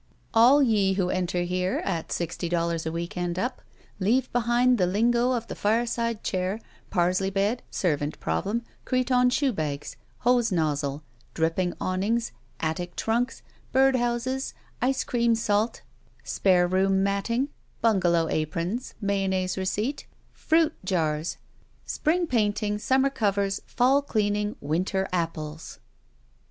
All ye who enter here, at sixty dollars a week and up, leave behind the lingo of the fireside chair, pars ley bed, servant problem, cretonne shoe bags, hose nozzle, striped awnings, attic trunks, bird houses, ice cream salt, spare room matting, btmgalow aprons, mayonnaise receipt, fruit jars, spring painting, summa: covers, fall cleaning, winter apples.